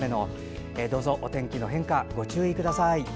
どうぞお天気の変化にご注意ください。